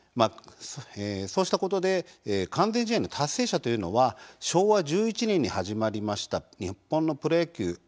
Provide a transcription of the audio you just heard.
そうしたことで完全試合の達成者というのは昭和１１年に始まりました日本のプロ野球